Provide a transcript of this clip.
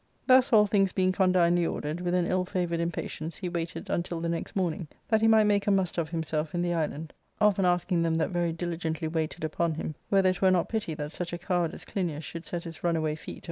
Thus, all things being condignly ordered, with an ill favoured impatience he waited until the next morning, that he might make a muster of himself in the island, often asking them that very dihgently waited upon him whether it were not pity that such a coward as Clinias should set his runaway feet upon the face of the earth.